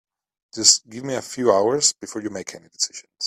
Just give me a few hours before you make any decisions.